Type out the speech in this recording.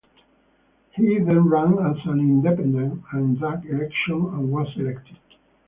He then ran as an independent in that election and was elected.